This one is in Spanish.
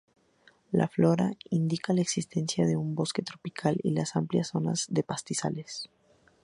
La flora indica la existencia de un bosque tropical y amplias zonas de pastizales.